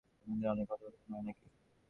তোমাদের অনেক কথাবার্তা হয় নাকি?